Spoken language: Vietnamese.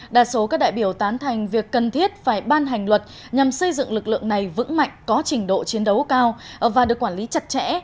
đa số các đại biểu tán thành việc cần thiết phải ban hành luật nhằm xây dựng lực lượng này vững mạnh có trình độ chiến đấu cao và được quản lý chặt chẽ